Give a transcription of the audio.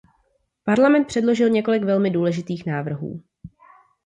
Parlament předložil několik velmi důležitých návrhů.